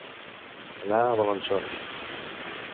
Anar a balançons.